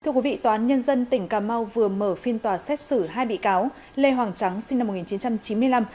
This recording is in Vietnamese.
thưa quý vị tòa án nhân dân tỉnh cà mau vừa mở phiên tòa xét xử hai bị cáo lê hoàng trắng sinh năm một nghìn chín trăm chín mươi năm